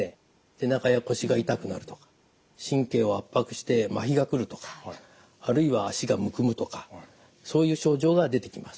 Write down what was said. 背中や腰が痛くなるとか神経を圧迫して麻痺が来るとかあるいは足がむくむとかそういう症状が出てきます。